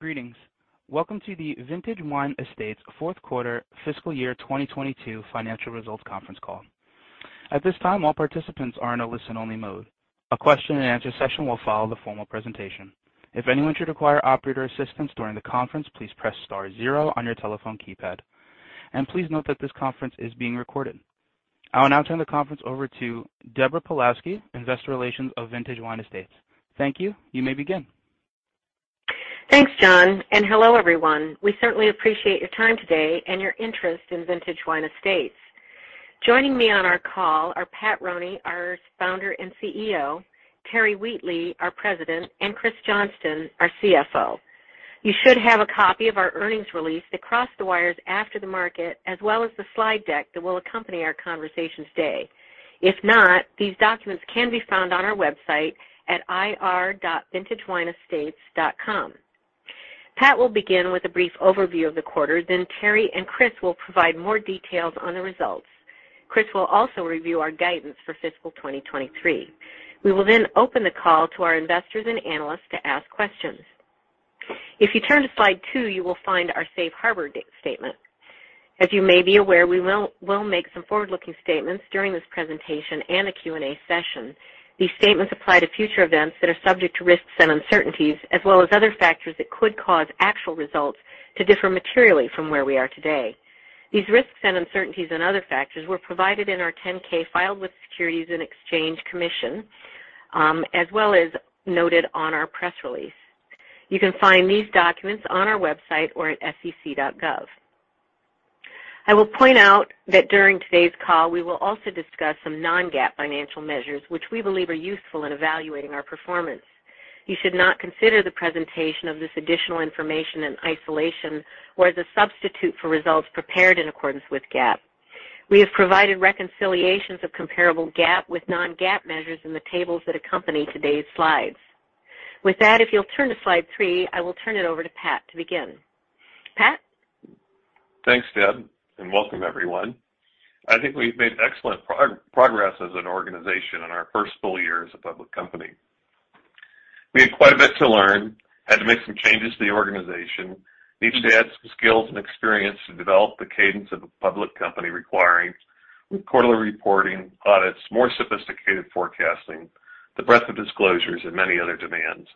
Greetings. Welcome to the Vintage Wine Estates fourth quarter fiscal year 2022 financial results conference call. At this time, all participants are in a listen-only mode. A Q&A session will follow the formal presentation. If anyone should require operator assistance during the conference, please press star zero on your telephone keypad. Please note that this conference is being recorded. I'll now turn the conference over to Deborah Pawlowski, Investor Relations of Vintage Wine Estates. Thank you. You may begin. Thanks, John, and hello, everyone. We certainly appreciate your time today and your interest in Vintage Wine Estates. Joining me on our call are Pat Roney, our Founder and CEO, Terry Wheatley, our President, and Kris Johnston, our CFO. You should have a copy of our earnings release that crossed the wires after the market, as well as the slide deck that will accompany our conversation today. If not, these documents can be found on our website at ir.vintagewineestates.com. Pat will begin with a brief overview of the quarter. Then Terry and Kris will provide more details on the results. Kris will also review our guidance for fiscal 2023. We will then open the call to our investors and analysts to ask questions. If you turn to slide two, you will find our safe harbor statement. As you may be aware, we will make some forward-looking statements during this presentation and the Q&A session. These statements apply to future events that are subject to risks and uncertainties, as well as other factors that could cause actual results to differ materially from where we are today. These risks and uncertainties and other factors were provided in our 10-K filed with Securities and Exchange Commission, as well as noted on our press release. You can find these documents on our website or at sec.gov. I will point out that during today's call, we will also discuss some non-GAAP financial measures, which we believe are useful in evaluating our performance. You should not consider the presentation of this additional information in isolation or as a substitute for results prepared in accordance with GAAP. We have provided reconciliations of comparable GAAP with non-GAAP measures in the tables that accompany today's slides. With that, if you'll turn to slide three, I will turn it over to Pat to begin. Pat? Thanks, Deb, and welcome everyone. I think we've made excellent progress as an organization in our first full year as a public company. We had quite a bit to learn, had to make some changes to the organization. We needed to add some skills and experience to develop the cadence of a public company requiring quarterly reporting, audits, more sophisticated forecasting, the breadth of disclosures and many other demands.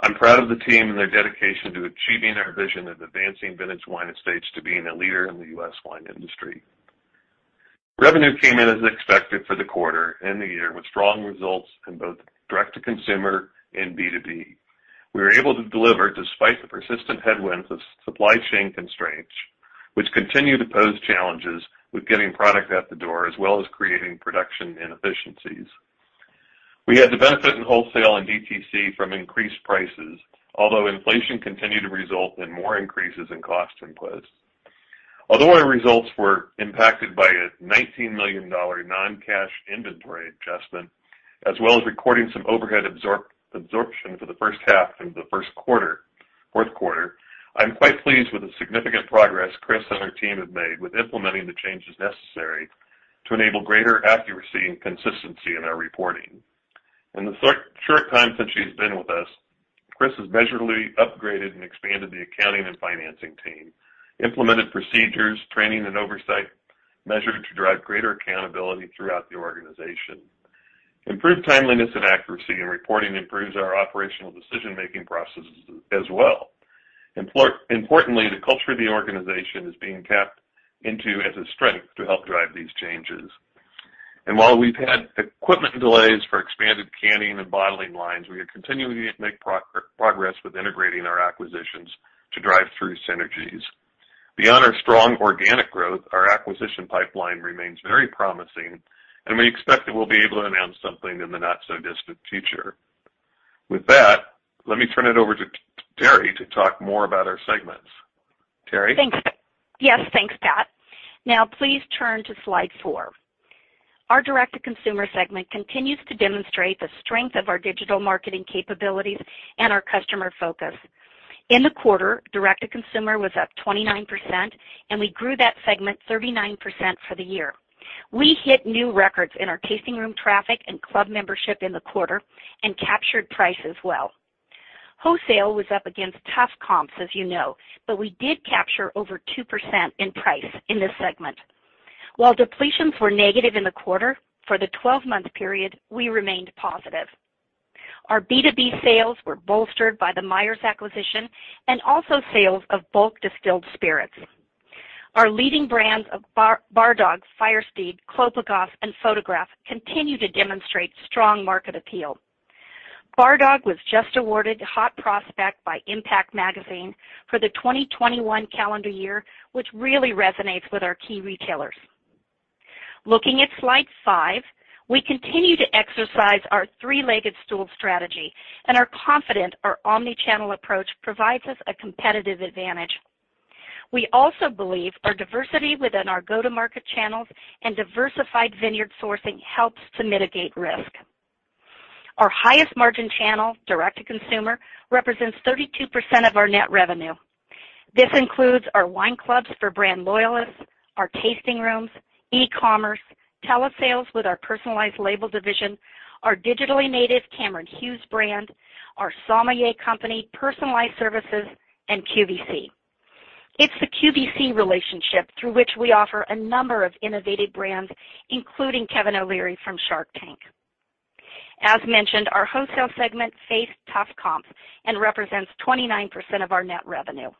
I'm proud of the team and their dedication to achieving our vision of advancing Vintage Wine Estates to being a leader in the U.S. wine industry. Revenue came in as expected for the quarter and the year with strong results in both direct to consumer and B2B. We were able to deliver despite the persistent headwinds of supply chain constraints, which continue to pose challenges with getting product out the door, as well as creating production inefficiencies. We had the benefit in wholesale and DTC from increased prices, although inflation continued to result in more increases in cost inputs. Although our results were impacted by a $19 million non-cash inventory adjustment, as well as recording some overhead absorption for the first half of the fourth quarter, I'm quite pleased with the significant progress Kris and her team have made with implementing the changes necessary to enable greater accuracy and consistency in our reporting. In the short time since she's been with us, Kris has measurably upgraded and expanded the accounting and financing team, implemented procedures, training, and oversight measures to drive greater accountability throughout the organization. Improved timeliness and accuracy in reporting improves our operational decision-making processes as well. Importantly, the culture of the organization is being tapped into as a strength to help drive these changes. While we've had equipment delays for expanded canning and bottling lines, we are continuing to make progress with integrating our acquisitions to drive through synergies. Beyond our strong organic growth, our acquisition pipeline remains very promising, and we expect that we'll be able to announce something in the not-so-distant future. With that, let me turn it over to Terry to talk more about our segments. Terry? Thanks. Yes, thanks, Pat. Now please turn to slide four. Our direct-to-consumer segment continues to demonstrate the strength of our digital marketing capabilities and our customer focus. In the quarter, direct-to-consumer was up 29%, and we grew that segment 39% for the year. We hit new records in our tasting room traffic and club membership in the quarter and captured price as well. Wholesale was up against tough comps as you know, but we did capture over 2% in price in this segment. While depletions were negative in the quarter, for the 12-month period, we remained positive. Our B2B sales were bolstered by the Meiers acquisition and also sales of bulk distilled spirits. Our leading brands of Bar Dog, Firesteed, Clos Pegase and Photograph continue to demonstrate strong market appeal. Bar Dog was just awarded Hot Prospect by Impact Magazine for the 2021 calendar year, which really resonates with our key retailers. Looking at slide five, we continue to exercise our three-legged stool strategy and are confident our omni-channel approach provides us a competitive advantage. We also believe our diversity within our go-to-market channels and diversified vineyard sourcing helps to mitigate risk. Our highest margin channel, direct-to-consumer, represents 32% of our net revenue. This includes our wine clubs for brand loyalists, our tasting rooms, e-commerce, telesales with our personalized label division, our digitally native Cameron Hughes brand, our The Sommelier Company, personalized services, and QVC. It's the QVC relationship through which we offer a number of innovative brands, including Kevin O'Leary from Shark Tank. As mentioned, our wholesale segment faced tough comps and represents 29% of our net revenue.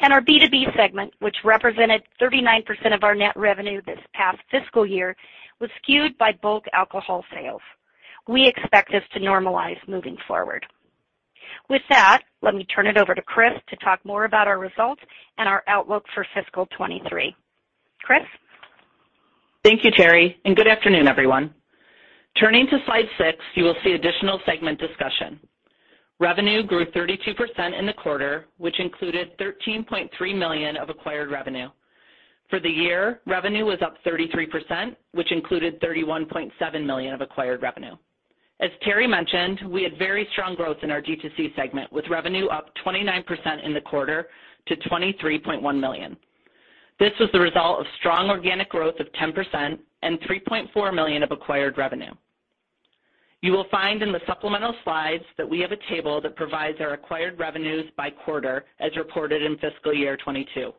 Our B2B segment, which represented 39% of our net revenue this past fiscal year, was skewed by bulk alcohol sales. We expect this to normalize moving forward. With that, let me turn it over to Kris to talk more about our results and our outlook for fiscal 2023. Kris? Thank you, Terry, and good afternoon, everyone. Turning to slide six, you will see additional segment discussion. Revenue grew 32% in the quarter, which included $13.3 million of acquired revenue. For the year, revenue was up 33%, which included $31.7 million of acquired revenue. As Terry mentioned, we had very strong growth in our D2C segment, with revenue up 29% in the quarter to $23.1 million. This was the result of strong organic growth of 10% and $3.4 million of acquired revenue. You will find in the supplemental slides that we have a table that provides our acquired revenues by quarter as reported in fiscal year 2022.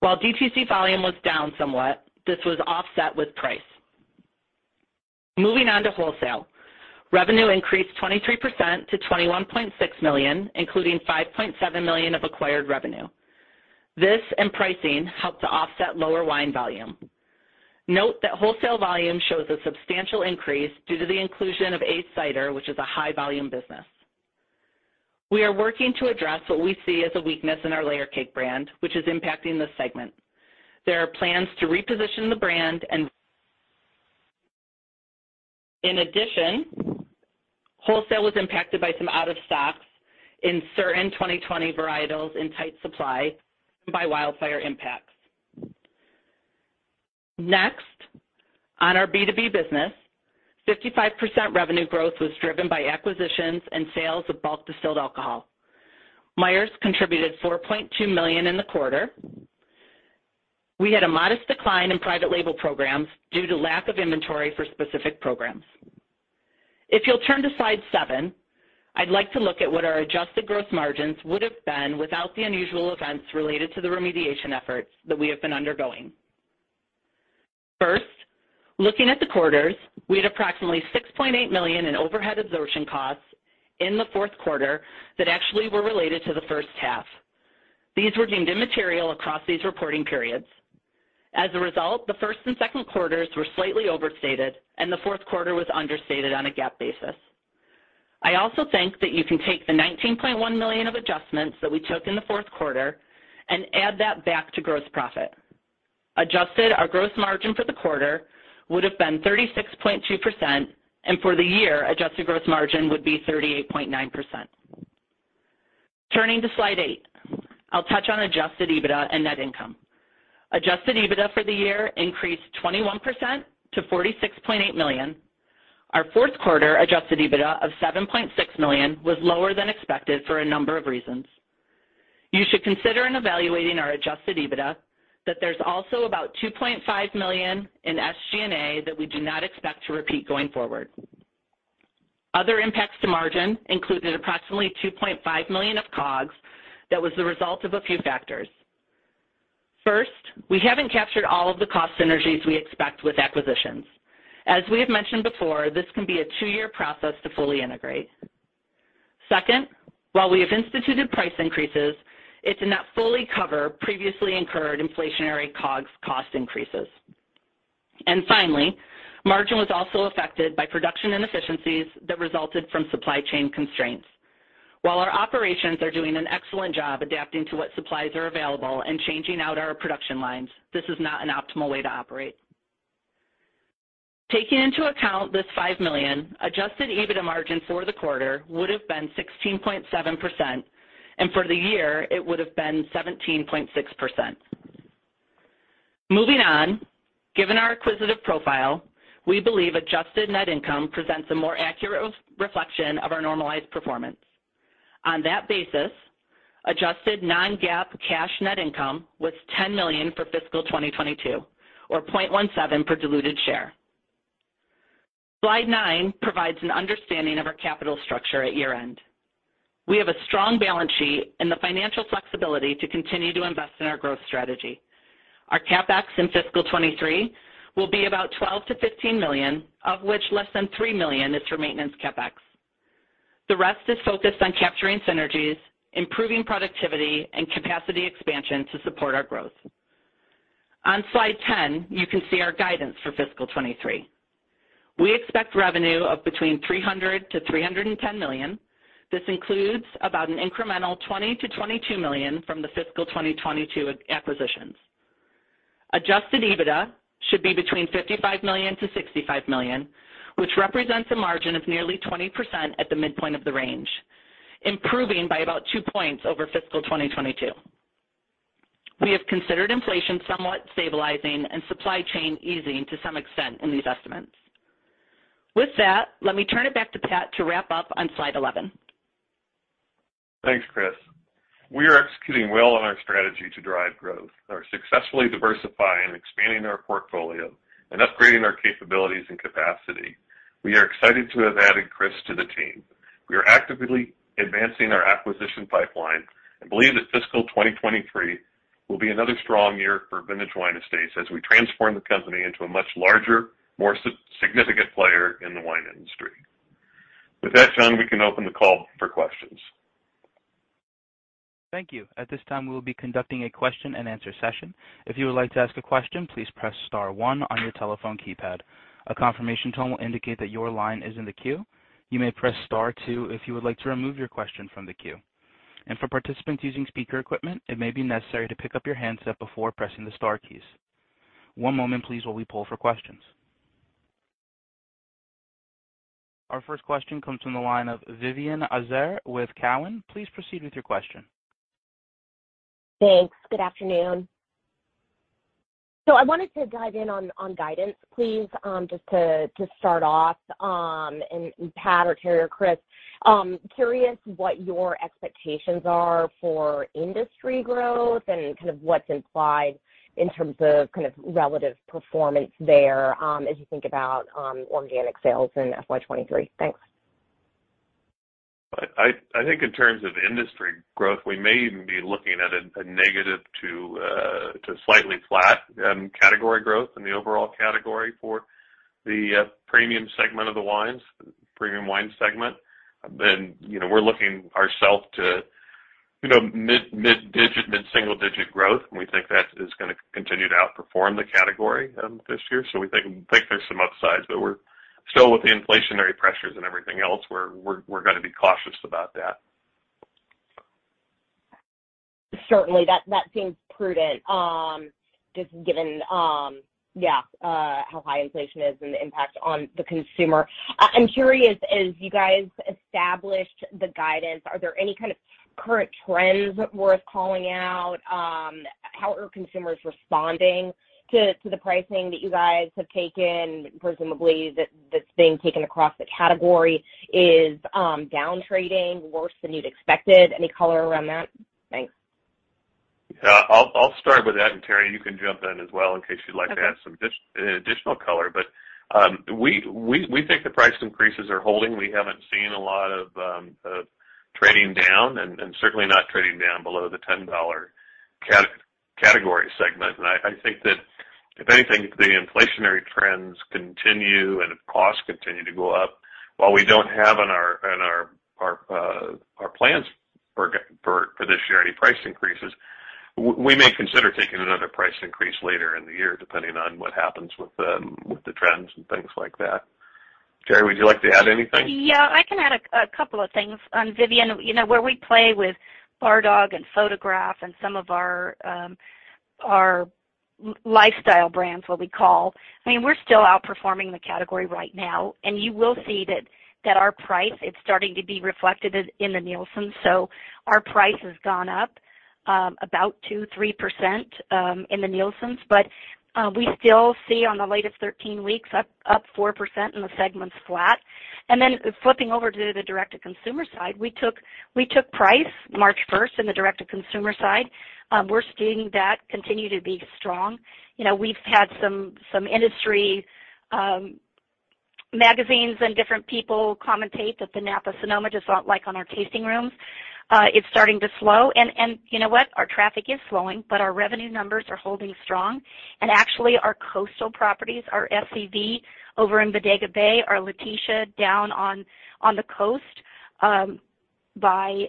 While D2C volume was down somewhat, this was offset with price. Moving on to wholesale. Revenue increased 23% to $21.6 million, including $5.7 million of acquired revenue. This and pricing helped to offset lower wine volume. Note that wholesale volume shows a substantial increase due to the inclusion of ACE Cider, which is a high-volume business. We are working to address what we see as a weakness in our Layer Cake brand, which is impacting this segment. There are plans to reposition the brand. In addition, wholesale was impacted by some out-of-stocks in certain 2020 varietals in tight supply by wildfire impacts. Next, on our B2B business, 55% revenue growth was driven by acquisitions and sales of bulk distilled alcohol. Meiers contributed $4.2 million in the quarter. We had a modest decline in private label programs due to lack of inventory for specific programs. If you'll turn to slide seven, I'd like to look at what our adjusted gross margins would have been without the unusual events related to the remediation efforts that we have been undergoing. First, looking at the quarters, we had approximately $6.8 million in overhead absorption costs in the fourth quarter that actually were related to the first half. These were deemed immaterial across these reporting periods. As a result, the first and second quarters were slightly overstated, and the fourth quarter was understated on a GAAP basis. I also think that you can take the $19.1 million of adjustments that we took in the fourth quarter and add that back to gross profit. Adjusted, our gross margin for the quarter would have been 36.2%, and for the year, adjusted gross margin would be 38.9%. Turning to slide eight, I'll touch on adjusted EBITDA and net income. Adjusted EBITDA for the year increased 21% to $46.8 million. Our fourth quarter adjusted EBITDA of $7.6 million was lower than expected for a number of reasons. You should consider in evaluating our adjusted EBITDA that there's also about $2.5 million in SG&A that we do not expect to repeat going forward. Other impacts to margin included approximately $2.5 million of COGS that was the result of a few factors. First, we haven't captured all of the cost synergies we expect with acquisitions. As we have mentioned before, this can be a two-year process to fully integrate. Second, while we have instituted price increases, it's not to fully cover previously incurred inflationary COGS cost increases. Finally, margin was also affected by production inefficiencies that resulted from supply chain constraints. While our operations are doing an excellent job adapting to what supplies are available and changing out our production lines, this is not an optimal way to operate. Taking into account this $5 million, adjusted EBITDA margin for the quarter would have been 16.7%, and for the year, it would have been 17.6%. Moving on, given our acquisitive profile, we believe adjusted net income presents a more accurate reflection of our normalized performance. On that basis, adjusted non-GAAP cash net income was $10 million for fiscal 2022 or $0.17 per diluted share. Slide nine provides an understanding of our capital structure at year-end. We have a strong balance sheet and the financial flexibility to continue to invest in our growth strategy. Our CapEx in fiscal 2023 will be about $12 million-$15 million, of which less than $3 million is for maintenance CapEx. The rest is focused on capturing synergies, improving productivity, and capacity expansion to support our growth. On slide 10, you can see our guidance for fiscal 2023. We expect revenue of between $300 million-$310 million. This includes about an incremental $20 million-$22 million from the fiscal 2022 acquisitions. Adjusted EBITDA should be between $55 million-$65 million, which represents a margin of nearly 20% at the midpoint of the range, improving by about two points over fiscal 2022. We have considered inflation somewhat stabilizing and supply chain easing to some extent in these estimates. With that, let me turn it back to Pat to wrap up on slide 11. Thanks, Kris. We are executing well on our strategy to drive growth. We are successfully diversifying and expanding our portfolio and upgrading our capabilities and capacity. We are excited to have added Kris to the team. We are actively advancing our acquisition pipeline and believe that fiscal 2023 will be another strong year for Vintage Wine Estates as we transform the company into a much larger, more significant player in the wine industry. With that said, we can open the call for questions. Thank you. At this time, we will be conducting a question and answer session. If you would like to ask a question, please press star one on your telephone keypad. A confirmation tone will indicate that your line is in the queue. You may press star two if you would like to remove your question from the queue. For participants using speaker equipment, it may be necessary to pick up your handset before pressing the star keys. One moment please while we poll for questions. Our first question comes from the line of Vivien Azer with Cowen. Please proceed with your question. Thanks. Good afternoon. I wanted to dive in on guidance, please, just to start off, and Pat or Terry or Kris, curious what your expectations are for industry growth and kind of what's implied in terms of kind of relative performance there, as you think about organic sales in FY 2023? Thanks. I think in terms of industry growth, we may even be looking at a negative to slightly flat category growth in the overall category for the premium segment of the wines, premium wine segment. You know, we're looking ourselves to, you know, mid-single digit growth, and we think that is gonna continue to outperform the category this year. We think there's some upside, but we're still with the inflationary pressures and everything else. We're gonna be cautious about that. Certainly. That seems prudent, just given how high inflation is and the impact on the consumer. I'm curious, as you guys established the guidance, are there any kind of current trends worth calling out? How are consumers responding to the pricing that you guys have taken, presumably that's being taken across the category? Is down trading worse than you'd expected? Any color around that? Thanks. Yeah. I'll start with that, and Terry, you can jump in as well in case you'd like to add. Okay. Some additional color. We think the price increases are holding. We haven't seen a lot of trading down and certainly not trading down below the $10 category segment. I think that if anything, if the inflationary trends continue, and if costs continue to go up, while we don't have in our plans for this year any price increases, we may consider taking another price increase later in the year, depending on what happens with the trends and things like that. Terry, would you like to add anything? Yeah, I can add a couple of things. Vivien, you know, where we play with Bar Dog and Photograph and some of our lifestyle brands, what we call, I mean, we're still outperforming the category right now, and you will see that our price, it's starting to be reflected in the Nielsen. Our price has gone up about 2%-3% in the Nielsen's. We still see on the latest 13 weeks up 4%, and the segment's flat. Flipping over to the direct-to-consumer side, we took price March first in the direct-to-consumer side. We're seeing that continue to be strong. You know, we've had some industry magazines and different people commentate that the Napa Sonoma, just like on our tasting rooms, it's starting to slow. You know what? Our traffic is slowing, but our revenue numbers are holding strong. Actually, our coastal properties, our SCV over in Bodega Bay or Laetitia down on the coast, by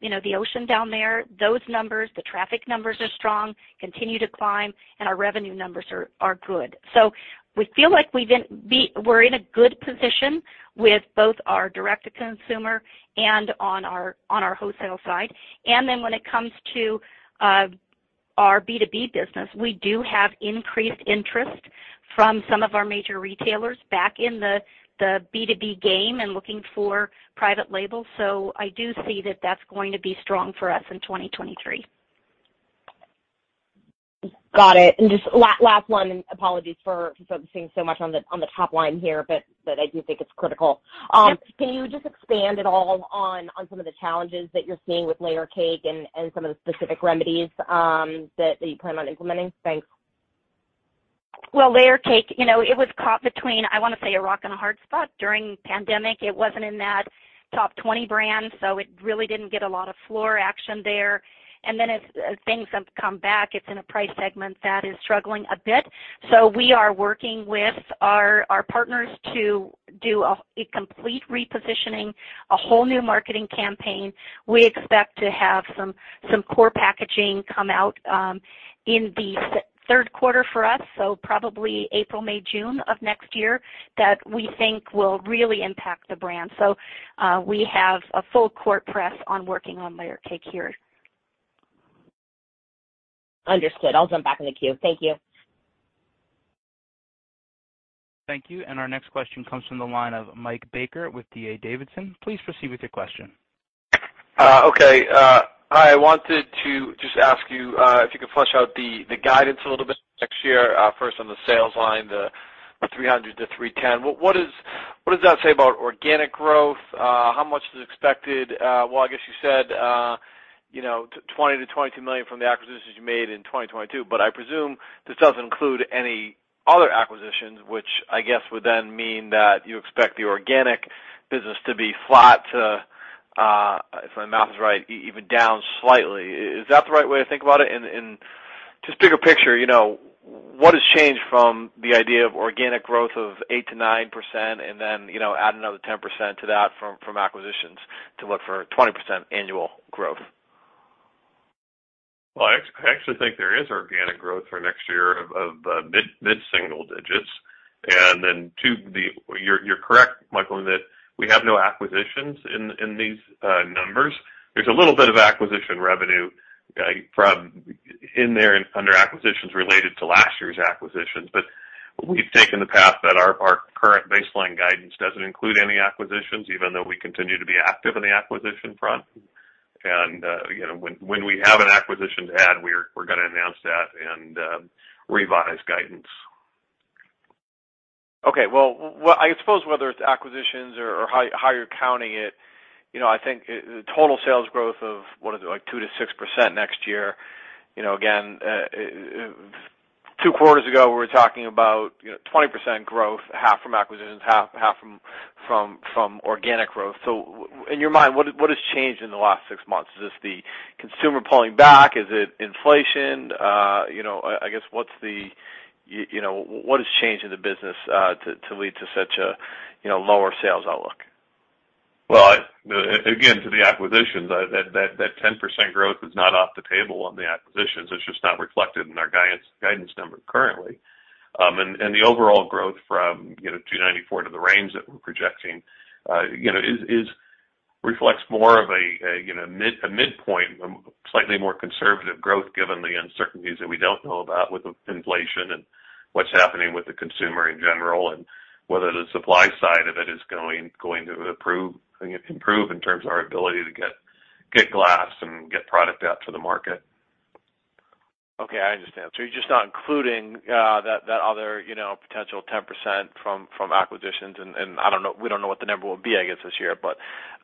you know, the ocean down there, those numbers, the traffic numbers are strong, continue to climb, and our revenue numbers are good. We feel like we're in a good position with both our direct-to-consumer and on our wholesale side. Then when it comes to our B2B business, we do have increased interest from some of our major retailers back in the B2B game and looking for private labels. I do see that that's going to be strong for us in 2023. Got it. Just last one, and apologies for focusing so much on the top line here, but I do think it's critical. Yeah. Can you just expand at all on some of the challenges that you're seeing with Layer Cake and some of the specific remedies that you plan on implementing? Thanks. Well, Layer Cake, you know, it was caught between, I wanna say, a rock and a hard spot during pandemic. It wasn't in that top 20 brands, so it really didn't get a lot of floor action there. Then as things have come back, it's in a price segment that is struggling a bit. We are working with our partners to do a complete repositioning, a whole new marketing campaign. We expect to have some core packaging come out in the third quarter for us, so probably April, May, June of next year, that we think will really impact the brand. We have a full court press on working on Layer Cake here. Understood. I'll jump back in the queue. Thank you. Thank you. Our next question comes from the line of Mike Baker with D.A. Davidson. Please proceed with your question. Okay. Hi. I wanted to just ask you if you could flesh out the guidance a little bit next year, first on the sales line, the $300 million-$310 million. What does that say about organic growth? How much is expected? Well, I guess you said, you know, $20 million-$22 million from the acquisitions you made in 2022, but I presume this doesn't include any other acquisitions, which I guess would then mean that you expect the organic business to be flat to, if my math is right, even down slightly. Is that the right way to think about it? just bigger picture, you know, what has changed from the idea of organic growth of 8%-9% and then, you know, add another 10% to that from acquisitions to look for 20% annual growth? Well, I actually think there is organic growth for next year of mid-single digits%. You're correct, Mike, in that we have no acquisitions in these numbers. There's a little bit of acquisition revenue from in there under acquisitions related to last year's acquisitions. We've taken the path that our current baseline guidance doesn't include any acquisitions, even though we continue to be active in the acquisition front. You know, when we have an acquisition to add, we're gonna announce that and revise guidance. Okay. Well, I suppose whether it's acquisitions or how you're counting it, you know, I think it's the total sales growth of, what is it, like 2%-6% next year, you know, again, 2 quarters ago, we were talking about, you know, 20% growth, half from acquisitions, half from organic growth. In your mind, what has changed in the last 6 months? Is this the consumer pulling back? Is it inflation? You know, I guess what's the, you know, what has changed in the business, to lead to such a, you know, lower sales outlook? Well, again, to the acquisitions, that 10% growth is not off the table on the acquisitions. It's just not reflected in our guidance number currently. The overall growth from, you know, $294 to the range that we're projecting, you know, reflects more of a you know midpoint, slightly more conservative growth given the uncertainties that we don't know about with inflation and what's happening with the consumer in general and whether the supply side of it is going to improve in terms of our ability to get glass and get product out to the market. Okay. I understand. You're just not including that other, you know, potential 10% from acquisitions. We don't know what the number will be, I guess, this year.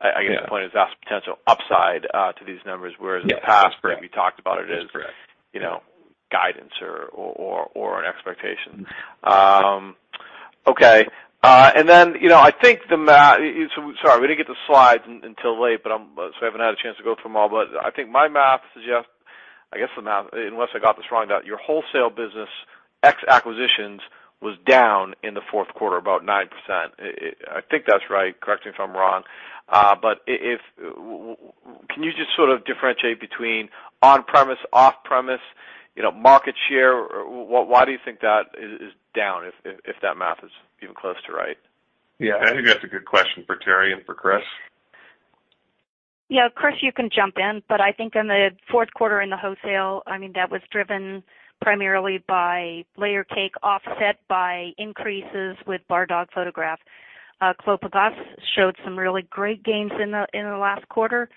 I guess. Yeah... the point is that's potential upside to these numbers, whereas- Yes. Correct. In the past, we talked about it as. That's correct. You know, guidance or an expectation. Okay. You know, sorry, we didn't get the slides until late, but I haven't had a chance to go through them all. But I think my math suggests, I guess the math, unless I got this wrong, that your wholesale business ex acquisitions was down in the fourth quarter about 9%. It. I think that's right. Correct me if I'm wrong. But can you just sort of differentiate between on-premise, off-premise, you know, market share? Why do you think that is down if that math is even close to right? Yeah. I think that's a good question for Terry and for Kris. Yeah. Kris, you can jump in, but I think in the fourth quarter in the wholesale, I mean, that was driven primarily by Layer Cake, offset by increases with Bar Dog, Photograph. Clos Pegase showed some really great gains in the last quarter.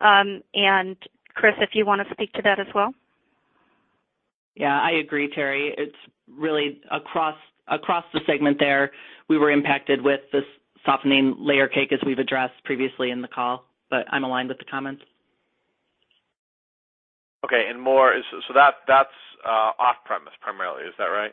Kris, if you wanna speak to that as well. Yeah, I agree, Terry. It's really across the segment there. We were impacted with this softening Layer Cake as we've addressed previously in the call, but I'm aligned with the comments. Okay. So that's off-premise primarily. Is that right?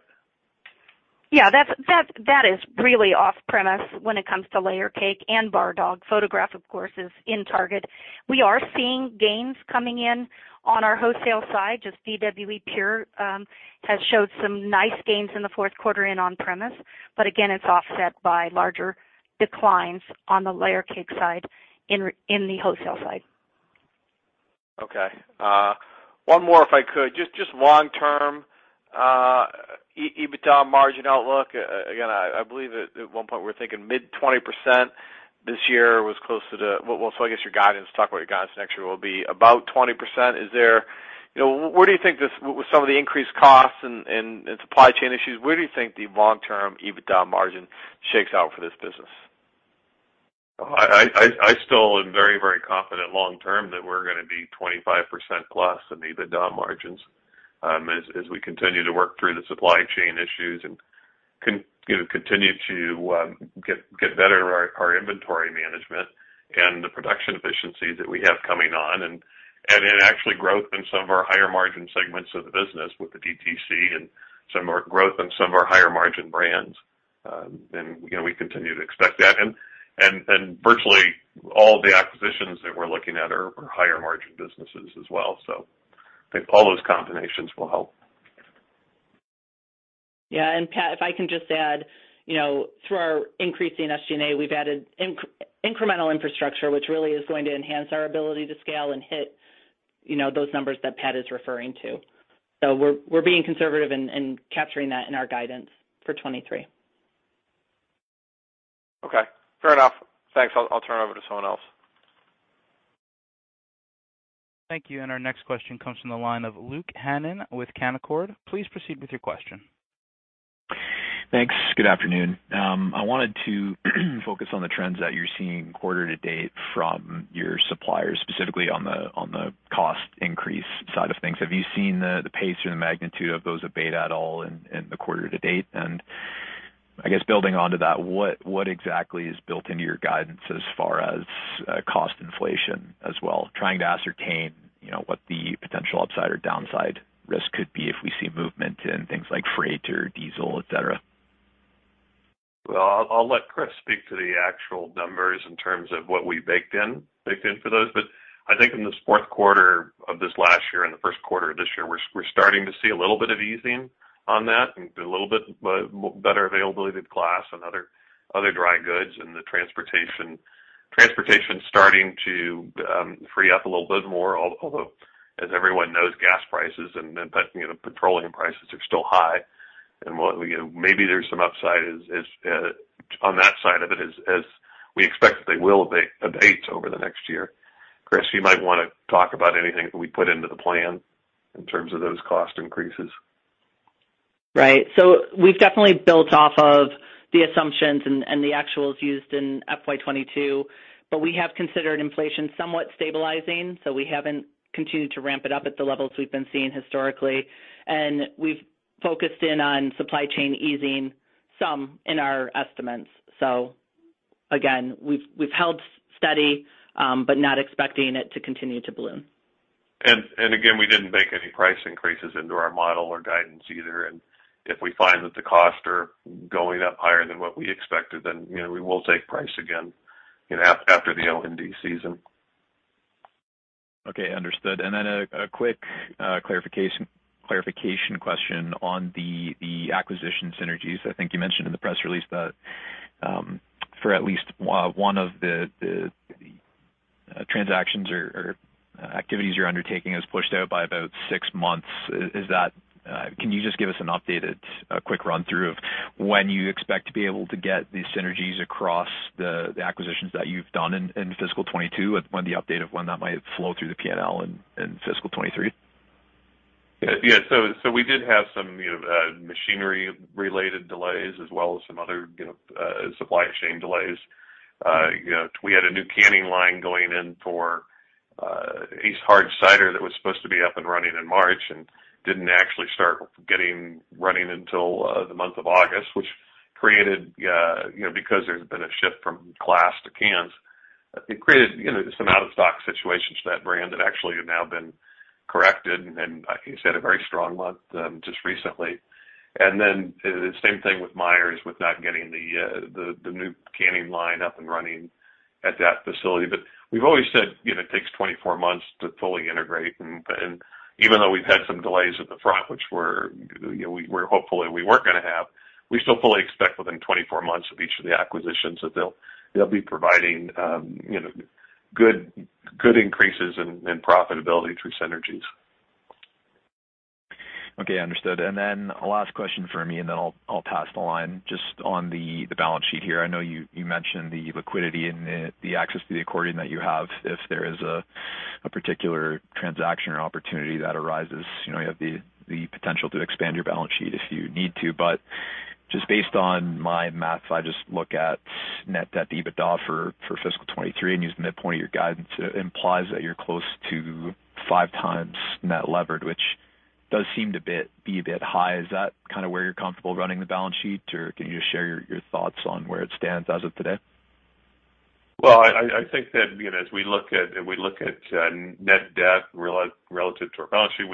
Yeah. That is really off-premise when it comes to Layer Cake and Bar Dog. Photograph, of course, is in Target. We are seeing gains coming in on our wholesale side. Just VWE Pure has showed some nice gains in the fourth quarter in on-premise. Again, it's offset by larger declines on the Layer Cake side in the wholesale side. Okay. One more if I could. Just long-term EBITDA margin outlook. Again, I believe at one point we were thinking mid-20% this year was close to the. Well, I guess your guidance. Talk about your guidance next year will be about 20%. Is there? You know, where do you think this, with some of the increased costs and supply chain issues, where do you think the long-term EBITDA margin shakes out for this business? I still am very, very confident long term that we're gonna be 25%+ in EBITDA margins, as we continue to work through the supply chain issues and you know, continue to get better at our inventory management and the production efficiencies that we have coming on. Actually growth in some of our higher margin segments of the business with the DTC and some of our growth in some of our higher margin brands. You know, we continue to expect that. Virtually all the acquisitions that we're looking at are higher margin businesses as well. I think all those combinations will help. Yeah. Pat, if I can just add, you know, through our increasing SG&A, we've added incremental infrastructure, which really is going to enhance our ability to scale and hit, you know, those numbers that Pat is referring to. We're being conservative in capturing that in our guidance for 2023. Okay. Fair enough. Thanks. I'll turn it over to someone else. Thank you. Our next question comes from the line of Luke Hannan with Canaccord Genuity. Please proceed with your question. Thanks. Good afternoon. I wanted to focus on the trends that you're seeing quarter to date from your suppliers, specifically on the cost increase side of things. Have you seen the pace or the magnitude of those abate at all in the quarter to date? I guess building onto that, what exactly is built into your guidance as far as cost inflation as well. Trying to ascertain, you know, what the potential upside or downside risk could be if we see movement in things like freight or diesel, et cetera. Well, I'll let Kris speak to the actual numbers in terms of what we baked in for those. But I think in this fourth quarter of this last year and the first quarter of this year, we're starting to see a little bit of easing on that and a little bit better availability to glass and other dry goods. The transportation is starting to free up a little bit more, although, as everyone knows, gas prices and, you know, petroleum prices are still high. You know, maybe there's some upside as on that side of it as we expect that they will abate over the next year. Kris, you might wanna talk about anything that we put into the plan in terms of those cost increases. Right. We've definitely built off of the assumptions and the actuals used in FY 2022, but we have considered inflation somewhat stabilizing, so we haven't continued to ramp it up at the levels we've been seeing historically. We've focused in on supply chain easing some in our estimates. Again, we've held steady, but not expecting it to continue to bloom. Again, we didn't bake any price increases into our model or guidance either. If we find that the costs are going up higher than what we expected, then, you know, we will take price again after the OND season. Okay, understood. Then a quick clarification question on the acquisition synergies. I think you mentioned in the press release that for at least one of the transactions or activities you're undertaking is pushed out by about six months. Can you just give us an updated quick run through of when you expect to be able to get these synergies across the acquisitions that you've done in fiscal 2022, an update on when that might flow through the P&L in fiscal 2023? We did have some, you know, machinery related delays as well as some other, you know, supply chain delays. You know, we had a new canning line going in for ACE Cider that was supposed to be up and running in March and didn't actually start getting running until the month of August, which created, you know, some out of stock situations for that brand that actually have now been corrected. I think you said a very strong month just recently. The same thing with Meiers, with not getting the new canning line up and running at that facility. We've always said, you know, it takes 24 months to fully integrate. Even though we've had some delays at the front, which we're, you know, hopefully we weren't gonna have, we still fully expect within 24 months of each of the acquisitions that they'll be providing, you know, good increases in profitability through synergies. Okay, understood. Then a last question for me, and then I'll pass the line. Just on the balance sheet here. I know you mentioned the liquidity and the access to the accordion that you have. If there is a particular transaction or opportunity that arises, you know, you have the potential to expand your balance sheet if you need to. Just based on my math, if I just look at net debt to EBITDA for fiscal 2023 and use the midpoint of your guidance, it implies that you're close to 5x net levered, which does seem a bit high. Is that kind of where you're comfortable running the balance sheet, or can you just share your thoughts on where it stands as of today? Well, I think that, you know, as we look at net debt relative to our balance sheet,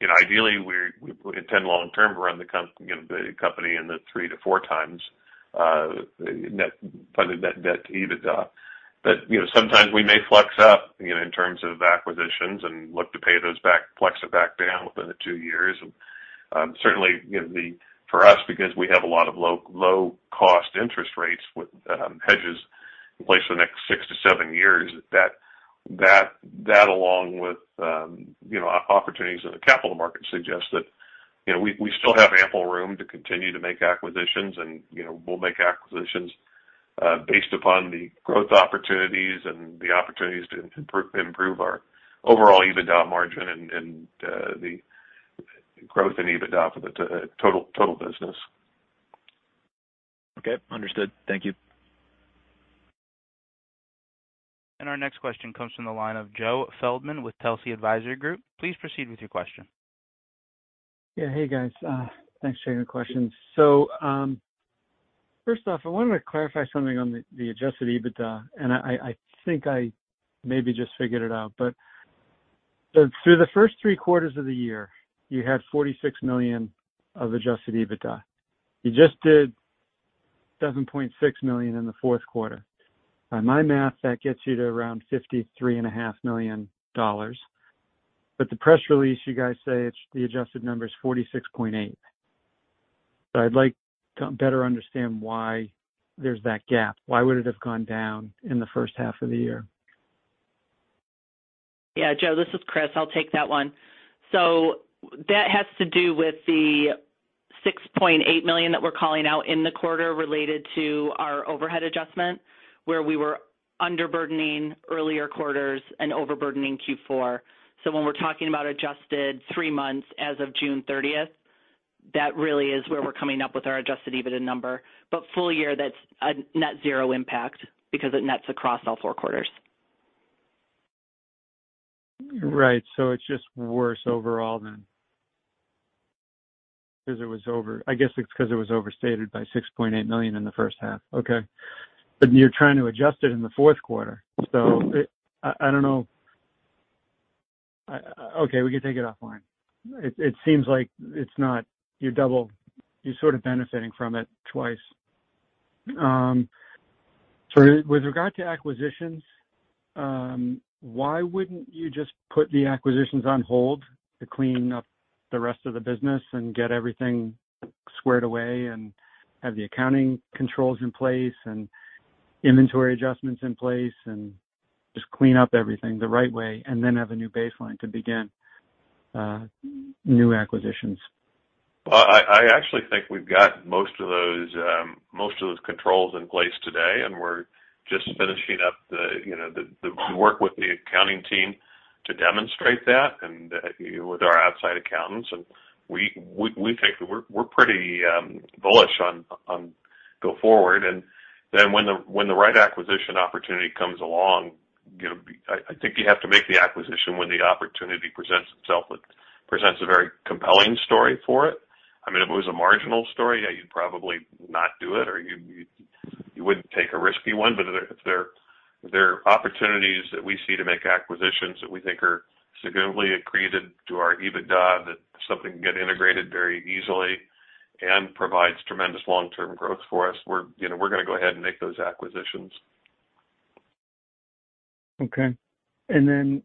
you know, ideally, we intend long term to run the company in the three to four times funded net debt to EBITDA. You know, sometimes we may flex up, you know, in terms of acquisitions and look to pay those back, flex it back down within two years. Certainly, you know, for us, because we have a lot of low cost interest rates with hedges in place for the next six to seven years, that along with opportunities in the capital market suggest that, you know, we still have ample room to continue to make acquisitions. You know, we'll make acquisitions based upon the growth opportunities and the opportunities to improve our overall EBITDA margin and the growth in EBITDA for the total business. Okay, understood. Thank you. Our next question comes from the line of Joe Feldman with Telsey Advisory Group. Please proceed with your question. Yeah. Hey, guys. Thanks for taking the questions. First off, I wanted to clarify something on the adjusted EBITDA, and I think I maybe just figured it out. Through the first three quarters of the year, you had $46 million of adjusted EBITDA. You just did $7.6 million in the fourth quarter. By my math, that gets you to around $53.5 million. The press release, you guys say it's the adjusted number is 46.8. I'd like to better understand why there's that gap. Why would it have gone down in the first half of the year? Yeah, Joe, this is Kris. I'll take that one. That has to do with the $0.8 million that we're calling out in the quarter related to our overhead adjustment, where we were underburdening earlier quarters and overburdening Q4. When we're talking about adjusted three months as of June thirtieth, that really is where we're coming up with our adjusted EBITDA number. Full year, that's a net zero impact because it nets across all four quarters. Right. It's just worse overall than. Because I guess it's because it was overstated by $6.8 million in the first half. Okay. You're trying to adjust it in the fourth quarter. I don't know. Okay, we can take it offline. It seems like it's not your double. You're sort of benefiting from it twice. With regard to acquisitions, why wouldn't you just put the acquisitions on hold to clean up the rest of the business and get everything squared away and have the accounting controls in place and inventory adjustments in place, and just clean up everything the right way and then have a new baseline to begin new acquisitions? I actually think we've got most of those controls in place today, and we're just finishing up the work with the accounting team to demonstrate that and with our outside accountants. We think we're pretty bullish on go forward. Then when the right acquisition opportunity comes along, you know, I think you have to make the acquisition when the opportunity presents itself. It presents a very compelling story for it. I mean, if it was a marginal story, yeah, you'd probably not do it or you wouldn't take a risky one. If there are opportunities that we see to make acquisitions that we think are significantly accretive to our EBITDA, that something can get integrated very easily and provides tremendous long-term growth for us, we're, you know, we're gonna go ahead and make those acquisitions. Okay.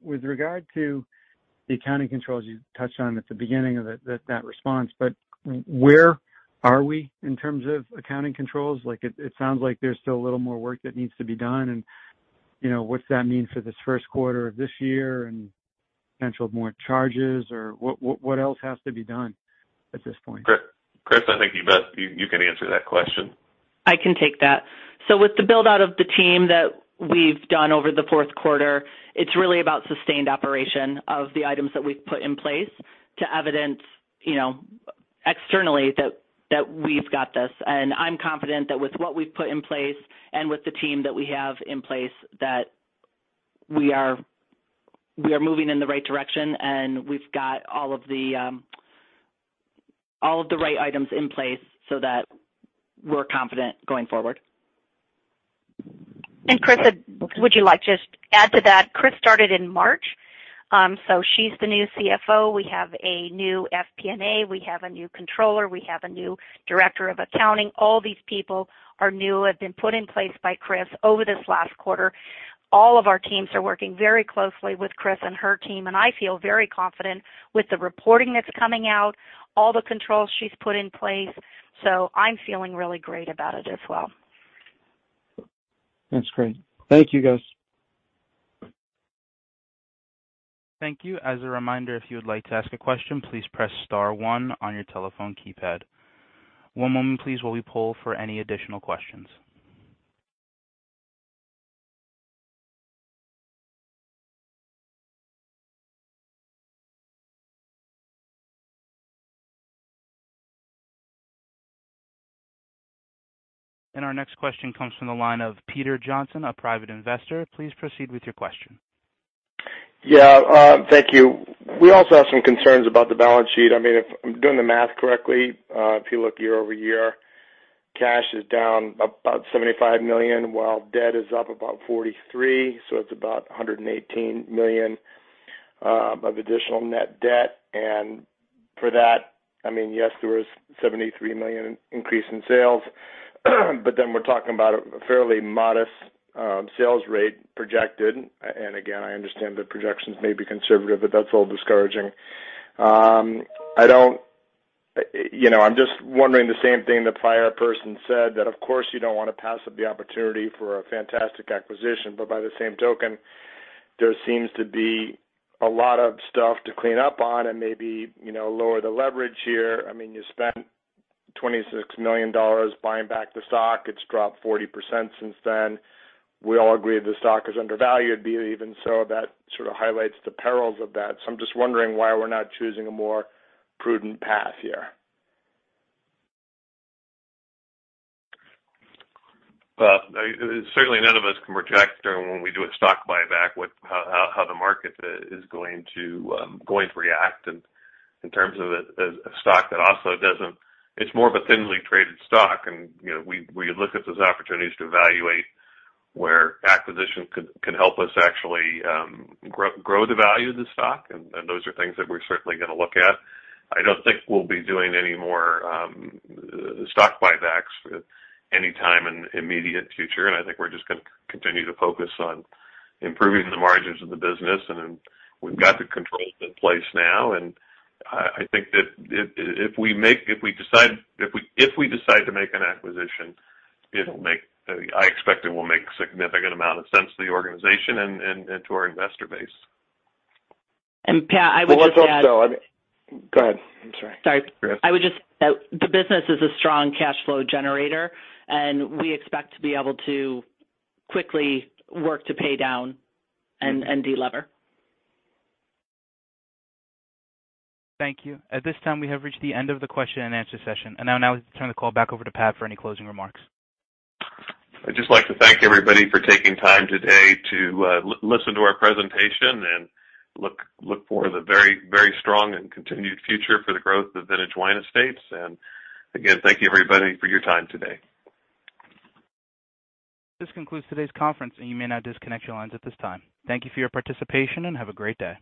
With regard to the accounting controls you touched on at the beginning of that response, where are we in terms of accounting controls? Like, it sounds like there's still a little more work that needs to be done. You know, what's that mean for this first quarter of this year and potential more charges or what else has to be done at this point? Kris, I think you can answer that question. I can take that. With the build-out of the team that we've done over the fourth quarter, it's really about sustained operation of the items that we've put in place to evidence, you know, externally that we've got this. I'm confident that with what we've put in place and with the team that we have in place, that we are moving in the right direction. We've got all of the all of the right items in place so that we're confident going forward. Kris, would you like to just add to that? Kris started in March, so she's the new CFO. We have a new FP&A. We have a new controller. We have a new director of accounting. All these people are new, have been put in place by Kris over this last quarter. All of our teams are working very closely with Kris and her team, and I feel very confident with the reporting that's coming out, all the controls she's put in place. I'm feeling really great about it as well. That's great. Thank you, guys. Thank you. As a reminder, if you would like to ask a question, please press star one on your telephone keypad. One moment please, while we poll for any additional questions. Our next question comes from the line of Peter Johnson, a private investor. Please proceed with your question. Yeah. Thank you. We also have some concerns about the balance sheet. I mean, if I'm doing the math correctly, if you look year-over-year, cash is down about $75 million, while debt is up about $43 million. It's about $118 million of additional net debt. For that, I mean, yes, there was $73 million increase in sales, but then we're talking about a fairly modest sales rate projected. Again, I understand that projections may be conservative, but that's a little discouraging. You know, I'm just wondering the same thing the prior person said that of course you don't want to pass up the opportunity for a fantastic acquisition, but by the same token, there seems to be a lot of stuff to clean up on and maybe, you know, lower the leverage here. I mean, you spent $26 million buying back the stock. It's dropped 40% since then. We all agree the stock is undervalued, but even so that sort of highlights the perils of that. I'm just wondering why we're not choosing a more prudent path here. Certainly none of us can project when we do a stock buyback how the market is going to react. In terms of a stock. It's more of a thinly traded stock. You know, we look at those opportunities to evaluate where acquisitions can help us actually grow the value of the stock. Those are things that we're certainly gonna look at. I don't think we'll be doing any more stock buybacks anytime in the immediate future. I think we're just gonna continue to focus on improving the margins of the business. We've got the controls in place now. I think that if we decide to make an acquisition, I expect it will make significant amount of sense to the organization and to our investor base. Pat, I would just add. Go ahead. I'm sorry. The business is a strong cash flow generator, and we expect to be able to quickly work to pay down and de-lever. Thank you. At this time, we have reached the end of the question and answer session. Now I'll turn the call back over to Pat for any closing remarks. I'd just like to thank everybody for taking time today to listen to our presentation and look for the very strong and continued future for the growth of Vintage Wine Estates. Again, thank you everybody for your time today. This concludes today's conference, and you may now disconnect your lines at this time. Thank you for your participation and have a great day.